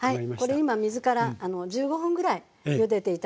これ今水から１５分ぐらいゆでて頂く。